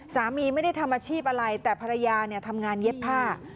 สามีไม่ได้ทำอาชีพอะไรแต่ภรรยาทำงานเย็บผ้า